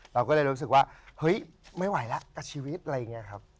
เราก็เลยรู้สึกว่าเฮ้ยไม่ไหวแล้วกับชีวิตอะไรอย่างนี้ครับ